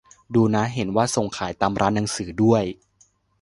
ดูนะ เห็นว่าส่งขายตามร้านหนังสือด้วย